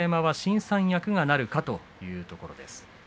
馬山は新三役なるかというところです。